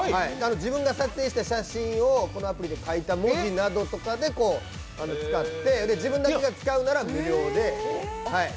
自分が撮影した写真をこのアプリで書いた文字などを使って自分だけが使うなら無料で。